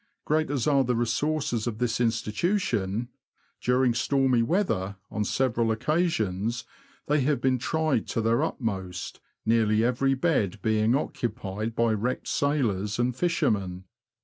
Great as are the resources of this institution, during stormy weather, on several occasions, they have been tried to their utmost, nearly every bed being occupied by wrecked sailors and fishermen.